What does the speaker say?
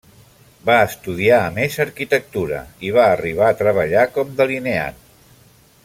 Va estudiar a més Arquitectura, i va arribar a treballar com delineant.